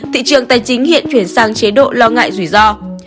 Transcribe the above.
thị trường tài chính hiện chuyển sang chế độ lo ngại rủi ro